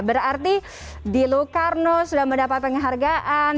berarti di lucarno sudah mendapat penghargaan